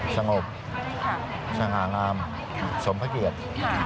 สงบสง่างามสมเกียจ